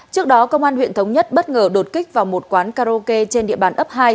trước đó công an huyện thống nhất bất ngờ đột kích vào một quán karaoke trên địa bàn ấp hai